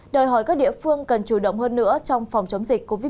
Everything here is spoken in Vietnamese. đòi hỏi các địa phương cần chủ động hơn nữa trong phòng chống dịch covid một mươi chín